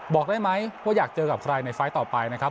บอกได้ไหมว่าอยากเจอกับใครในไฟล์ต่อไปนะครับ